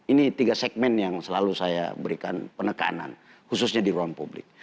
ini tiga segmen yang selalu saya berikan penekanan khususnya di ruang publik